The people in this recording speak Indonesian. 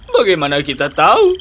bagaimana kita tahu